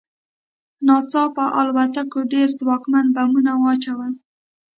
ناڅاپه الوتکو ډېر ځواکمن بمونه واچول